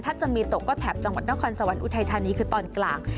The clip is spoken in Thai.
ถ้าจะมีตกก็แถบจังหวัดนครสวรรค์อุทัยธานีคือตอนกลาง